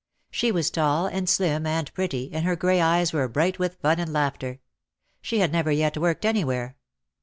She was tall and slim and pretty and her grey eyes were bright with fun and laughter. She had never yet worked anywhere.